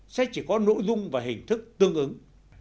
sẽ chỉ có nội dung và hình thức tương ứng